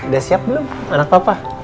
udah siap belum anak papa